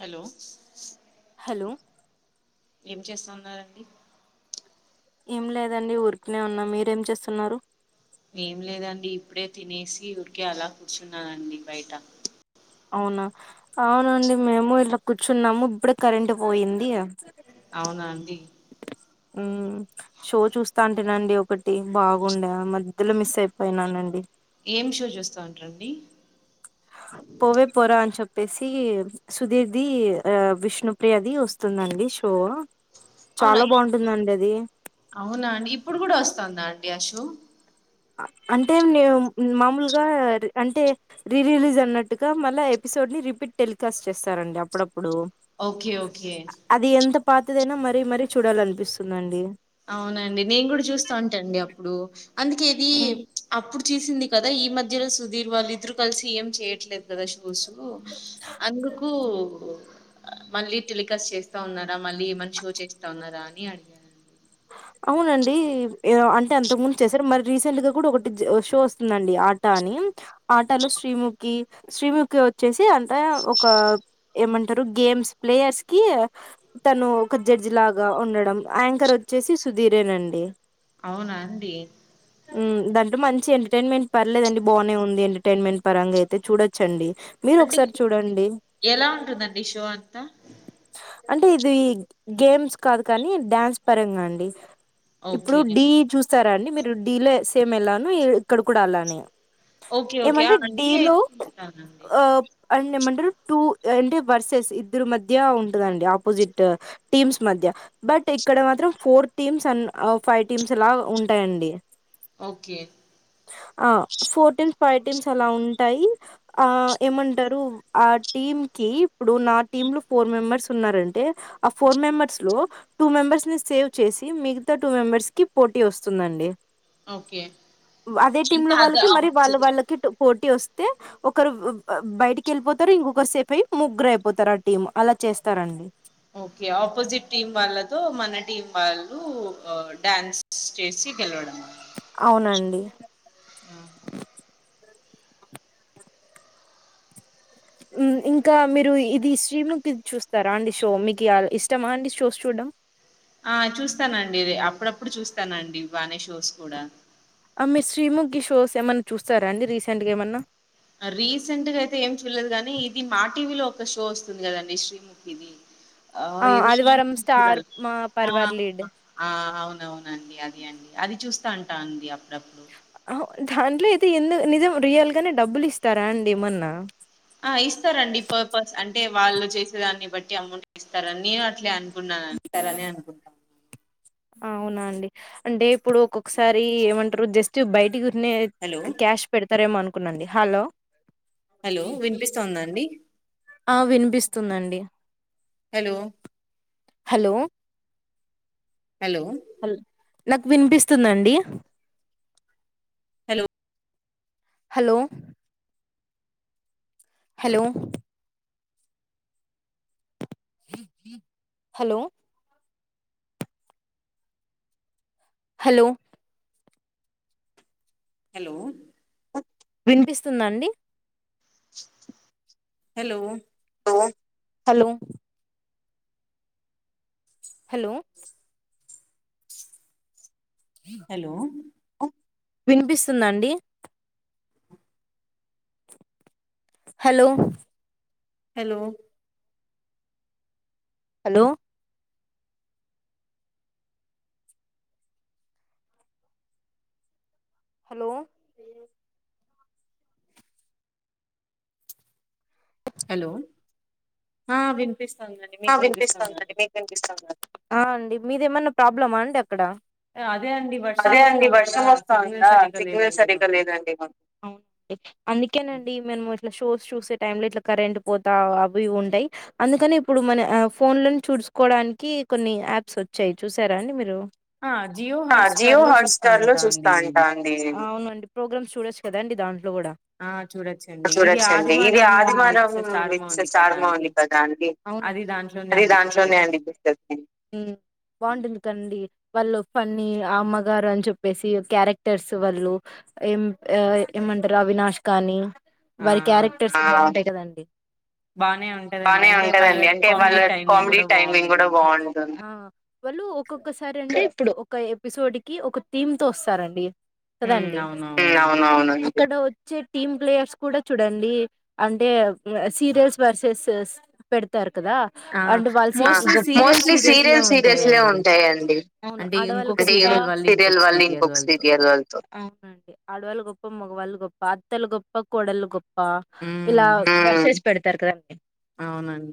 Hello hello ఏం చేస్తూ ఉన్నారండి ఏం లేదండి ఊరికినే ఉన్నాం మీరేం చేస్తున్నారు ఏం లేదండి ఇప్పుడే తినేసి ఊరికే అలా కూర్చున్నానండి బయట అవునా అవునండి మేము ఇలా కూర్చున్నాము ఇప్పుడే కరెంట్ పోయింది ఇగ ఉ షో చూస్తా అంటేనండి ఒకటి బాగుండే మధ్యలో మిస్ అయిపోయినానండి ఏం షో చూస్తా ఉంటారండి సుధీర్ ది విష్ణుప్రియ ది వస్తుందండి షో అవునా అవున అండి ఇప్పుడు కూడా వస్తుందా అండి ఆ షో అంటే మామూలుగా అంటే రీ రిలీజ్ అన్నట్టుగా మళ్ళా ఎపిసోడ్ రిపీట్ టెలికాస్ట్ చేస్తారండి అప్పుడప్పుడు అది ఎంత పాతదైనా మరీ మరీ చూడాలి అనిపిస్తుందండి అవునండి నేను కూడా చూస్తా ఉంటాండి అప్పుడు అందుకే ఇది అప్పుడు చేసింది కదా ఈ మధ్యలో సుధీర్ వాళ్ళు ఇద్దరు కలిసి ఏం చేయట్లేదు కదా ష్ షోసు అందుకు మళ్ళీ టెలికాస్ట్ చేస్తా ఉన్నారా మళ్ళీ ఏమన్నా షో చేస్తా ఉన్నారా అని అడిగాన అవునండి అంటే అంతకు ముందు చేశారు మరి రీసెంట్ గా కూడా ఒకటి షో వస్తుందండి ఆట అని ఆటలో శ్రీముఖి శ్రీముఖి వచ్చేసి అంత ఒక ఏమంటారు గే గేమ్స్ ప్లేయర్స్ కి తను ఒక జడ్జి లాగా ఉండడం ఆయాంకర్ వ్ వచ్చేసి సుధీరేనండి అవునా అండి ఇప్పుడు మంచి ఎంటర్టైన్మెంట్ పర్లేదండి బోనే ఉంది ఎంటర్టైన్మెంట్ పరంగా అయితే చూడొచ్చండి అంటే ఎలా ఉంటుందండి షో అంతా అంటే ఇది గేమ్స్ కాదు కానీ డ్యాన్స్ పరంగా అండి ఇప్పుడు డీ చూస్తారా అండి మీరు డీలో సేమ్ ఎలానో ఇక్కడ కూడా అలానే ఏమంటే ఢీలో హ అంమంటారు టూ అంటే వర్సెస్ ఇద్దరు మధ్య ఉంటదండి ఆపోజిట్ టీమ్స్ మధ్య మధ్య బట్ ఇక్కడ మాత్రం four teams um five teams అలా ఉంటాయండి ఆ ఫోర్టీమ్ ఫైవ్ టీమ్స్ అలా ఉంటాయి ఆ ఏమంటారు ఆ టీం కి ఇప్పుడు నా టి లో ఫోర్ మెంబర్స్ ఉన్నారంటే ఆ ఫోర్ మెంబర్స్ లో టూ మెంబర్స్ సేవ్ చేసి మిగతా టూ మెంబర్స్ కి పోటీ వస్తుందండి అదే టీమ్ లో వాళ్ళకి మరి వాళ్ళ వాళ్ళకి పోటీ వస్ తె ఒకరు బయటికి వెళ్ళిపోతారు ఇంకొకరు సేఫయి ముగ్గురు అయిపోతారు ఆ టీమ్ అలా చేస్తారండి ఓకే ఆపోజిట్ టీం వాళ్ళతో మన టీం వాళ్ళు డ్యాన్స్ చేస్ సి గెలవడం అవునండి ఆ ఉమ్ ఇంకా మీరు ఇది శ్రీముఖిది చూస్తారా అండి షో మీక్ య ఇష్టమా అండి షోస్ చు డం ఆ చూస్తానండి అప్పుడప్పుడు చూస్తానండి బానే షోస్ కూడా ఆమె శ్రీముఖి షోస్ ఏమన్నా చూస్తారా అండి రీసెంట్ గా ఏమన్నా రీసెంట్ గా అయితే ఏం చూడలేదు గానీ ఇది మా టీవీలో ఒక షో వస్తుంది కదండి శ్రీముఖి ది ఆ ఏదొ ఆ అవును అవునండి అది అన్ అది చూస్తా అంట అంది అప్పుడప్ దాంట్లో అయితే ఎందు నిజం రియల్ గనే డబ్బులు ఇస్తారా అండి ఏమన్న ఆ ఇస్తరండి పర్పస్ అంటే వాళ్ళు చేసే దాన్ని బట్టి అమౌంట్ ఇస్తరని అట్లే అనుకున్నాను ఇతరని అనుకుంటాను అవునా అండి అంటే ఇప్పుడు ఒక్కొక్సారి ఏమంటరు జస్ట్ బయటి నే క్ క్యాష్ పెడ్తరేమో అన్కున్నండి హలో హలో విన్పిస్తోందా అండి ఆ విన్పిస్తుందండి హాలో హలో అలో నాక్ విన్పిస్తుందండి hello hello hello hello hello hello విన్పిస్తుంద అండి హాలో హాలో హాలో హాలో విన్పిస్తుందండి hello hello hello hello hello ఆ విన్ ఆ విన్పిస్తోందండి విన్పిస్తోంది క్కడ అదే అండి వర్షం వస్తాందా సిగ్నల్ సరిగ్గా లేదండి క్కేనండి మేము ఇట్ల షోస్ చూసే టైం లో ఇట్ల కరెంట్ పోతా అవ్ ఇవ్ ఉంటయ్ అందుకని ఇప్పుడు మన అ ఫోన్లోన్ చుడ్స్కోడాన్కి కొన్ని యాప్స్ వచ్చాయ్ చూసారా అండి మీరు అ జియో హాట్స్టార్ లో చూస్తాన్ అంటాండి ప్రోగ్రామ్స్ చూడొచ్చ్ కద అండి దాంట్లో కూడ చూడొచ్చండి ఇది ఆదివారం విత్ స్టార్ మా ఉంది కదా అండి అవునన్ అది దాంట్లోనే అండి చూసేది అమ్మగారు అని చెప్పేసి క్యారెక్టర్స్ వాళ్ళు ఏం ఆ ఏమంటరు అవినాష్ కానీ వారి క్యారెక్టర్స్ బా ఉంటయ్ కదండి బానే ఉంటదండి అంటె టదండి అంటే వాళ్ళ కామ్డీ టైమింగ్ కూడా బాగుంటుంది ప్పుడు ఒక ఎపిసోడ్ కి ఒక థీమ్ తొ ఒస్సారండి కదండి ఇక్కడ ఒచ్చే టీమ్ ప్లేయర్స్ కూడ చూడండి అంటే ఆ సీరియల్స్ వర్సెస్ స్ పెడతారు కదా అండ్ వాల్ అవును ఆడవాల్ డియం సీరియల్ వాళ్ళ్ ఇంకొక సీరియల్ వాళ్ళ్ తొ అత్తలు గొప్ప కోడల్లు గొప్పా ఇలా [unintelligible] పెడ్తరు కదండి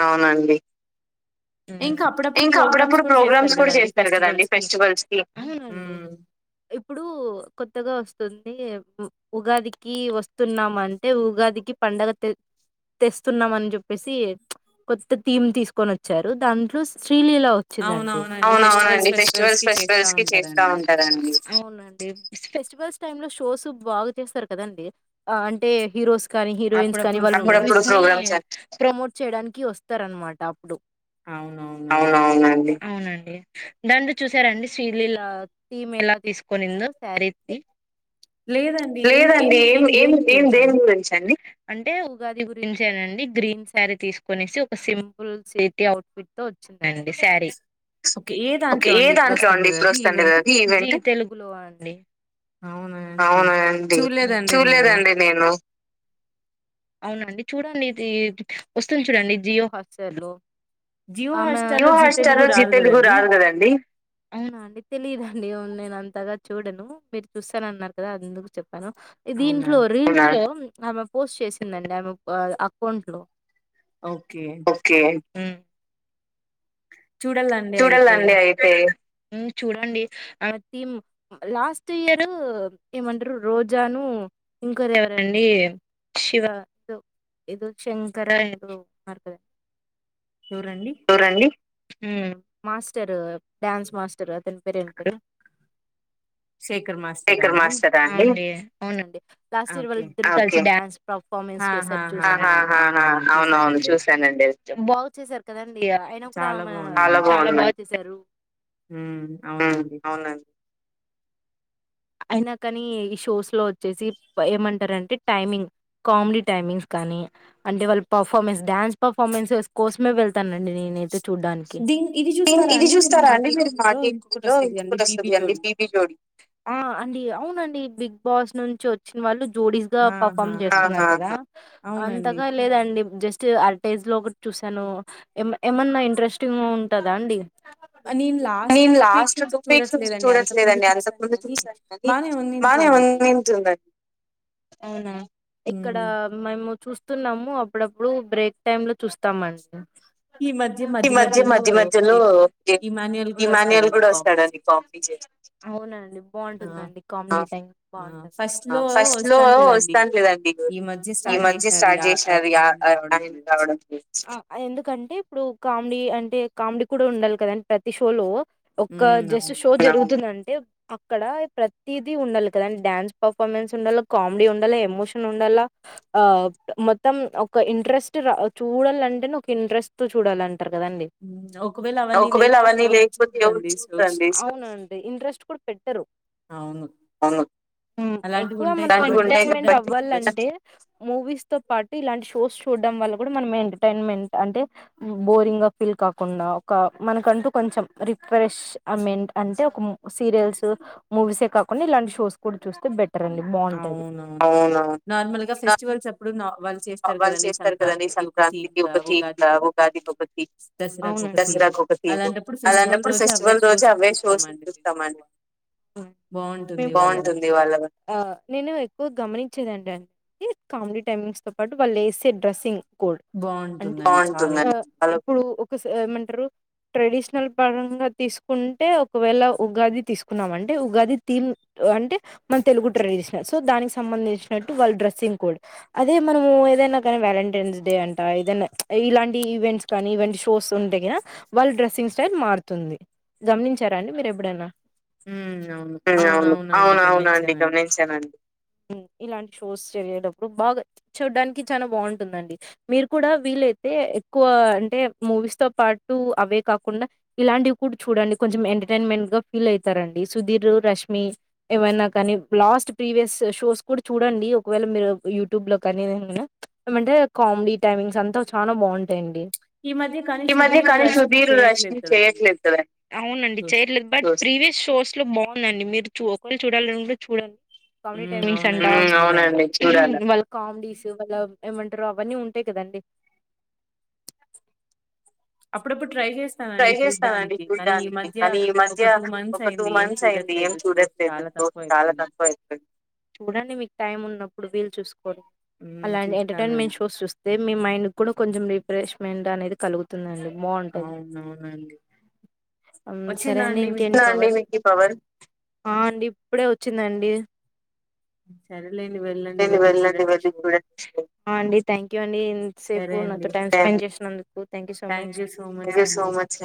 అవునండి ఇంకా అప్పుడు ఇంకా అప్పుడప్పుడు ప్రోగ్రామ్స్ కూడా చేస్తారు కాదండి ఫెస్టివల్స్ కి ఇప్పుడు కొత్తగా వస్తుంది అంటే ఉగాదికి వస్తున్నామ అంటే ఉగాదికి పండగ తె తెస్తున్నాం అని చెప్పేసి కొత్త థీమ్ తీసుకొని వచ్చారు దాంట్లో శ్రీలీల వచ్చిందండి అవునవునండి ఫెస్టివల్ ఫెస్టివల్స్ కి చేస్తా ఉంటారండి ఫెస్టివల్స్ టైమ్ లో షోస్ బాగా చేస్తారు కదండి అంటే హీరోస్ కానీ హీరోయిన్స్ కానీ వాళ్ళ ప్రమోట్ చేయడానికి వస్తార అనమాట అప్పుడు అవునవునండి అవునండి దాని చూసారండి శ్రీలిలా టీమ్ ఎలా తీసుకొనిందు శారీ ని లేదండి ఏం ఏం ఏం దేని గురించి అండి అంటే ఉగాది గురించేనండి గ్రీన్స్ శారీ తీసుకునేసి ఒక సింపుల్ సేఫ్టీ అవుట్ ఫిట్ తో వచ్చిందండి శారీ ఓకే ఏ దాంట్లో అండి ఇప్పుడు వస్తంది అది ఈవెంట్ అవునాండి చూడలేదండి నేను అవునండి చూడండి ఇది వస్తుంది చూడండి జియో హాట్స్టార్ లో ఆమె జియోహాట్‌స్టార్లో జీతెలుగు రాదు కదండీ అవున తెలియదా దండి నేను అంతగా చూడను మీరు చూస్తాను అన్నారు కదా అందుకు చెప్ప దీంట్లో రీల్స్ లో ఆమె పోస్ట్ చేసిందండి ఆమె అకౌంట్ లో ఓకే ఉమ్ చూడాలండి అయితే చూడండి లాస్ట్ ఇయర్ ఏమంటారు రోజాను ఇంకొండి ఎవరండి శివ ఇది శంకర ఏదో ఉన్నారు కదా ఎవరండి మాస్టరు డన్స్ మాస్టర్ అతని పేరు ఎంపేరు శంకర్ మాస్టర్ రా అండి ఫార్మర్స్ చేసారు చూసారా బాగు చేసారు కదండి కూడామె చాలా బాగా చేసారు ఉమ్ అవునండి అయినా కానీ ఈ షోస్ లో వచ్చేసి ఏమంటారంటే టైమింగ్ కామెడీ టైమింగ్స్ కానీ అంటే వాళ్ళ పర్ఫార్మెన్స్ డాన్స్ పర్ఫార్మెన్స్ కోసమే వెళ్తానండి నేనైతే చూడానికి ఆ అండి అవునండి బిగ్ బాస్ నుంచి వచ్చిన వాళ్ళు జోడీస్ గా పర్ఫార్మ్ చేస్తున్నారు అంతగా లేదండి జస్ట్ ఆ స్టేజ్ లో ఒకటి చూసాను ఏమన్నా ఇంట్రెస్టింగ్ ఉంటందా అండి నేను లాస్ట్ టూ వీక్స్ నుంచి చూడట్లేదండి అంతే కము ముందు చూసాను కాని బాగానే ఉందింటుందండి అవునా ఇక్కడ మేము చూస్త చుస్తున్నాము అప్పుడప్పుడు బ్రేక్ టైమ్ లో చూస్తామండి ఈ మధ్య మధ్య మధ్యలో ఇమా ఇమాన్యుయల్ కూడా వస్తాడండి కామెడీ చేసకి అవునండి బాగుంటుందండి కామెడీ టై బాగుంటంది ఫస్ట్ లో వస్తానులేదండి ఈ మధ్య స్టార్ట్ చేసినారు ఆయ కావడం అంటే ఇప్పుడు కామెడీ అంటే కామెడీ కూడా ఉండాలి కదండి ప్రతి షో లో ఒక్క జస్ట్ షో జరుగుతుందంటే అక్కడ ప్రతిదీ ఉండాలి కదాండి డ్యాన్స్ పర్ఫార్మెన్స్ ఉండాల, కామెడీ ఉండాలా, ఎమోషన్ ఉండాలా, ఆ మొత్తం ఒక ఇంట్రెస్ట్ ఆ చూడలంటేనే ఒక ఇంట్రెస్ట్తో చూడలంన్ కదండి ఒకవేళ అవన్నీ లేక్పోతే ఎవరు చూడ్రండి ఔనండి ఇంట్రెస్ట్ పెట్టరు అవును ఉమ్ ఎక్కువ మనం ఎంటర్టైన్మెంట్ అవ్వాలంటే మూవీస్తో పాటు ఇలాంటి షోస్ చూడడం వల్ల కూడా మనం ఎంటర్టైన్మెంట్ అంటే బ్ బోరింగ్ గా ఫీల్ కాకుండా ఒక మనకంటూ కొంత్ కొంచం రిఫ్రెష్ ఐ మీన్ అంటే ఒక్ సీరియల్స్ మూవీసే కాకుండా ఇలాంటి షోస్ కూడా చూస్తే బెటర్ అండి బావుంటదీ. కదండి సంక్రాంతికి ఒక థీమ్ ల, ఉగాది కీ ఒక్క థీమ్ ల, దసరాకోక థీమ్ అలాంటప్పుడు ఫెస్టివల్ రోజే అవ్వే షోస్ చూస్తామండి బావుంటుంది వాళ్ళ ఆ నేను ఎక్కువ గమనించేదెంటంటే కామెడీ టైమింగ్స్ తో పాటు వాళ్ళేసే డ్రెస్సింగ్ అంటే ఇప్పుడు ఏమంటారు ట్రెడిషనల్ పరంగా తీసుకుంటే ఒకవేళ ఉగాది థిస్క్ అంటే ఉగాది థీమ్ అంటే మన తెలుగు ట్రెడిషనల్ సో దానికి సంబంధించినాటు వాళ్లు డ్రెస్సింగ్ అదే మనము ఏదైనా గనీ వాలెంటైన్స్ డే అంట ఏదైనా మ్చ్ ఇలాంటి ఈవెంట్స్ కనీ ఈవెంట్ షోస్ ఉంటే గన వాళ్ళ డ్రెస్సింగ్ స్టైల్ మారుతుంది గమనించారా అండి మీరేప్పుడన్నా ఉమ్ అవును అవునండి గమనించానండీ ఉమ్ ఇలాంటి షోస్ చేయేటప్పుడు బాగా చూడ్డానికి చాలా బాగుంటుందండి మీరు కూడా విల్ లేతే ఎక్కువ అంటే మూవీస్ తో పాటు అవే కాకుండా ఇలాంటివి కూడా చూడండి కొంచెం ఎంటర్టైన్మెంట్ గా ఫీల్ ఐతారండి సుధీర్, రష్మి ఏవన్నా కనీ లాస్ట్ ప్రీవియస్ షోస్ కూడ్ చూడండి ఒకవేళ మీరు యూట్యూబ్ లో కనీ ఎలనన్నా ఎమంటే కామెడీ టై టైమింగ్స్ అంతా చాలా బావుంటాయండీ ఈ మధ్య కానీ సుధీర్ రష్మీ చేయట్లేదు కాదండి ఔనండి చేయట్లేదు బట్ త్రి వారే షోల్లో బావుందండి మీరు చోస్తే చూడాలి లేద్న్ అనుకున్ చూడాలి అవును అండి చూడాలి కామెడీస్ వాళ్ళ ఏమంటారు అవన్నీ ఉంటయ్ కదండీ అప్పుడప్పుడ్ ట్రై జేస్తానండి చూడ్డానికి కనీ ఈ మధ్య ఒక టూ మంత్స్ ఐంది ఏం చూడట్లేదు షో చుడండి మీకు టైం ఉన్నపుడు ఇప్పుడు వీలు చూసుకొని అలాంట్ ఎంటర్టైన్మెంట్ షోస్ కి చోస్తే మీ మైండ్ కూడా కొంచెం రీ రేష్మెంట్ అనేది కలుగుతుందండి బావుంటది అన్ సరే అండి ఇంకేంటి ఆ అండి ఇప్పుడే ఒచ్చిందండి మ్ సరే సరే అండి వెళ్ళండి వెళ్లి చుడండి నందుకు థ్యాంక్యూ సో మచ్